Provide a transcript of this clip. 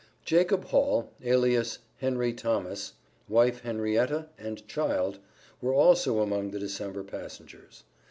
Jacob Hall, alias Henry Thomas, wife Henrietta, and child, were also among the December passengers.